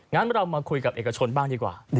งั้นเรามาคุยกับเอกชนบ้างดีกว่า